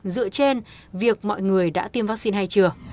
dựa trên việc mọi người đã tiêm vaccine hay chưa